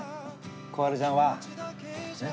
心春ちゃんは。えっ？